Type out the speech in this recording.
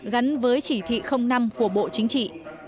gắn với chỉ thị năm của bộ chính trị